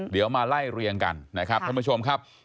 เดี๋ยวมาไล่เรียงกันนะครับท่านผู้ชมครับ